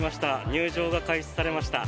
入場が開始されました。